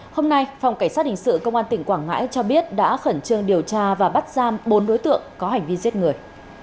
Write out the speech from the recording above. hôm nay phòng cảnh sát hình sự công an tỉnh quảng ngãi cho biết đã khẩn trương điều tra và bắt giam bốn đối tượng có hành vi giết người